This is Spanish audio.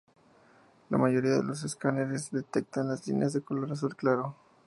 La mayoría de los escáneres detectan las líneas de color azul claro.